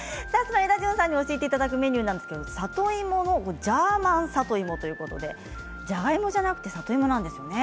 エダジュンさんに教えていただくメニューは里芋のジャーマン里芋ということで、じゃがいもじゃなくて里芋なんですね。